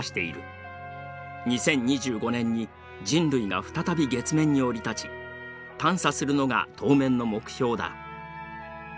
２０２５年に人類が再び月面に降り立ち探査するのが当面の目標だ。